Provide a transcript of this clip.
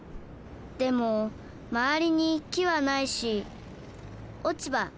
でもまわりに木はないし落ち葉